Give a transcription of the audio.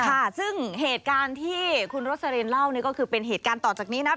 ค่ะซึ่งเหตุการณ์ที่คุณโรสลินเล่านี่ก็คือเป็นเหตุการณ์ต่อจากนี้นะ